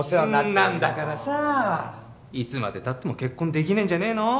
そんなんだからさいつまでたっても結婚できないんじゃねえの？